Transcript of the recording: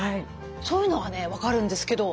そういうのはね分かるんですけど。